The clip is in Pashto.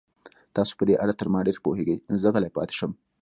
تاسو په دې اړه تر ما ډېر پوهېږئ، نو زه غلی پاتې شم.